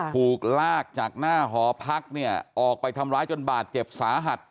ถูกลากจากหน้าหอพักเนี่ยออกไปทำร้ายจนบาดเจ็บสาหัส